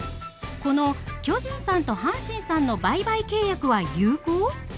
この巨人さんと阪神さんの売買契約は有効？